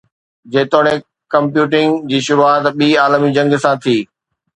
جيتوڻيڪ ڪمپيوٽنگ جي شروعات ٻي عالمي جنگ سان ٿي